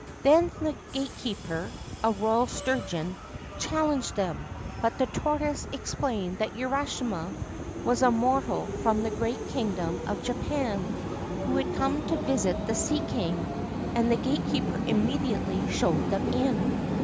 Then the gatekeeper a royal sturgeon challenged them, but the tortoise explained that Urashima was a mortal from the great kingdom of Japan, who had come to visit the Sea King, and the gatekeeper immediately showed them in.